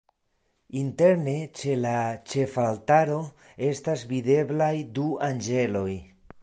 Interne ĉe la ĉefaltaro estas videblaj du anĝeloj.